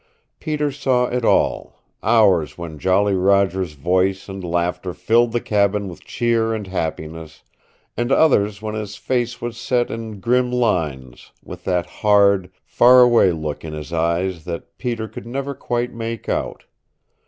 Peter saw it all hours when Jolly Roger's voice and laughter filled the cabin with cheer and happiness, and others when his face was set in grim lines, with that hard, far away look in his eyes that Peter could never quite make out.